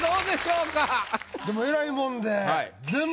でもえらいもんで。